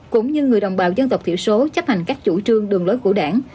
cũng như người đồng bào dân tộc thiểu số chấp hành các chủ trương đường lối của đảng